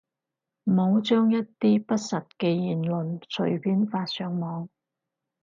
唔好將一啲不實嘅言論隨便發上網